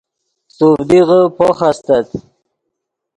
سوڤدیغے پوخ استت